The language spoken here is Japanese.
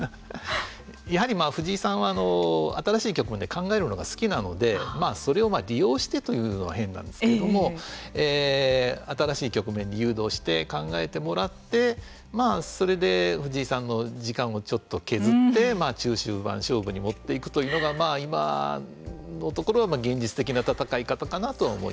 やはり藤井さんは新しい局面で考えるのが好きなのでそれを利用してというのは変なんですけども新しい局面に誘導して考えてもらってそれで藤井さんの時間をちょっと削って中終盤勝負に持っていくというのがまあ今のところは現実的な戦い方かなと思います。